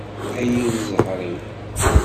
A yir ẓẓher-iw!